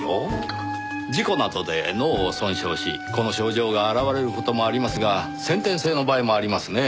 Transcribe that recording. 事故などで脳を損傷しこの症状が表れる事もありますが先天性の場合もありますねぇ。